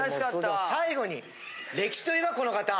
最後に歴史と言えばこの方。